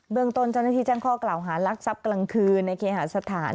เมืองต้นเจ้าหน้าที่แจ้งข้อกล่าวหารักทรัพย์กลางคืนในเคหาสถาน